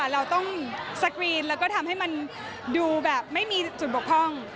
เราต้องสกรีนแล้วก็ทำให้มันดูแบบไม่มีจุดบกพร่อง